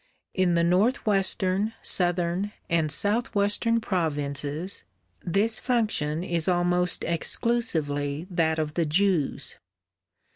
In the Northwestern, Southern, and Southwestern provinces this function is almost exclusively that of the Jews.